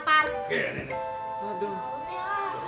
gak ada ini